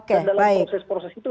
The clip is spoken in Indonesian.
dan dalam proses proses itu